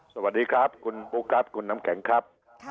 สวัสดีครับคุณปู่กั๊ปกุ่นน้ำแข็งครับ